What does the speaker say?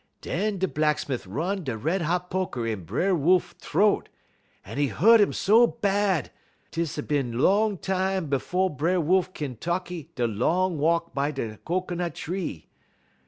"Dun da Blacksmit' run da red hot poker in B'er Wolf t'roat, un 'e hu't um so bad, 'tiss a bin long tam befo' B'er Wolf kin tekky da long walk by da cocoanut tree.